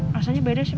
mau cari tempat lain